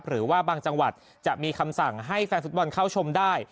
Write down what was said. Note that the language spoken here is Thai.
หรือว่าบางจังหวัดจะมีคำสั่งให้แฟนฟุตบอลเข้าชมได้